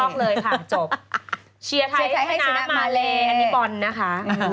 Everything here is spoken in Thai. อันนี้บอนนะคะ